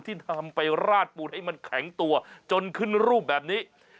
ที่นำไปราดปูนให้มันแข็งตัวจนขึ้นรูปแบบนี้